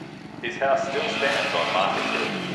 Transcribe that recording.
His house still stands on Market Hill.